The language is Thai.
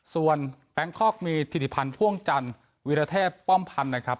ส่วนแบงคอกมีธิริพันธ์พ่วงจันทร์วิรเทพป้อมพันธ์นะครับ